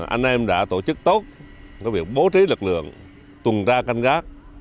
anh em đã tổ chức tốt có việc bố trí lực lượng tuần ra canh gác